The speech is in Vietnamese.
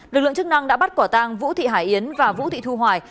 lực lượng chức năng đã bắt quả tang vũ thị hải yến và vũ thị thu hoài